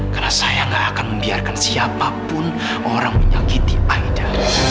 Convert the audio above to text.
karena saya nggak akan membiarkan siapapun orang menyakiti aida